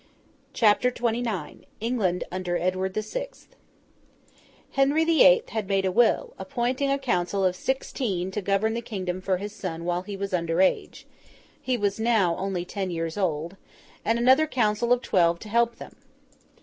CHAPTER XXIX ENGLAND UNDER EDWARD THE SIXTH Henry the Eighth had made a will, appointing a council of sixteen to govern the kingdom for his son while he was under age (he was now only ten years old), and another council of twelve to help them.